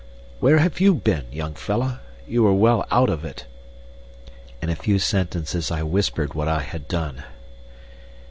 Where have you been, young fellah? You were well out of it." In a few sentences I whispered what I had done.